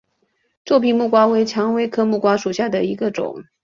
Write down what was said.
皱皮木瓜为蔷薇科木瓜属下的一个种。